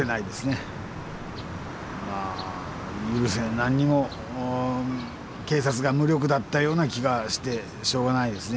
何にも警察が無力だったような気がしてしょうがないですね